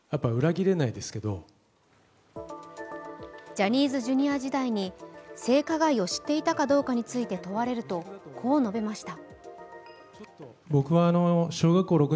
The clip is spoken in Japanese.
ジャニーズＪｒ．時代に性加害を知っていたかどうかについて問われると、こう述べました。